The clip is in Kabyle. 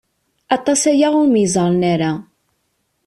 Aṭas aya ur myeẓren ara.